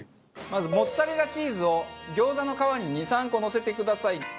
まずモッツァレラチーズを餃子の皮に２３個のせてください。